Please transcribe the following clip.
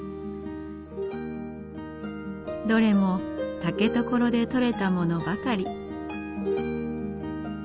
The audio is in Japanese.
どれも竹所で取れたものばかり。